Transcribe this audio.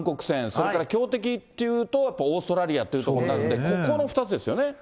それから強敵っていうと、やっぱオーストラリアというところになるんで、ここの２つですよ